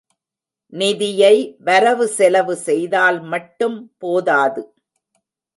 நிதியை, வரவு செலவு செய்தால் மட்டும் போதாது.